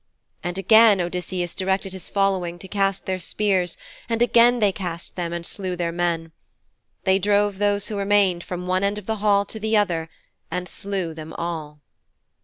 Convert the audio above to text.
And again Odysseus directed his following to cast their spears, and again they cast them, and slew their men. They drove those who remained from one end of the hall to the other, and slew them all.